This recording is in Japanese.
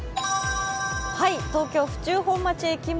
東京・府中本町駅前。